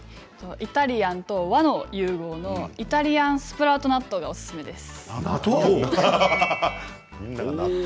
イタリアンと和の融合のイタリアンスプラウト納豆がおすすめです。